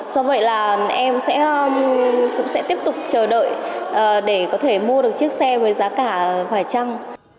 do vậy là em cũng sẽ tiếp tục chờ đợi để có thể mua được chiếc xe với giá cả vài trăng